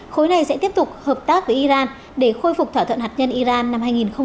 khối này sẽ tiếp tục hợp tác với iran để khôi phục thỏa thuận hạt nhân iran năm hai nghìn một mươi năm